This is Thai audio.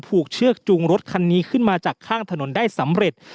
เชือกจูงรถคันนี้ขึ้นมาจากข้างถนนได้สำเร็จ